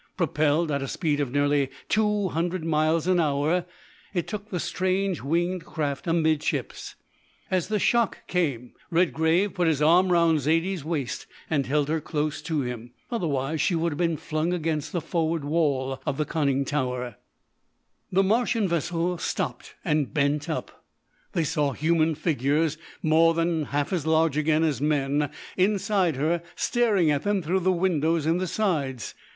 Propelled at a speed of nearly two hundred miles an hour, it took the strange winged craft amidships. As the shock came, Redgrave put his arm round Zaidie's waist and held her close to him, otherwise she would have been flung against the forward wall of the conning tower. [Illustration: It took the strange winged craft amidships.] The Martian vessel stopped and bent up. They saw human figures more than half as large again as men inside her staring at them through the windows in the sides.